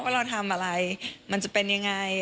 เราทำอะไรมันจะเป็นยังไง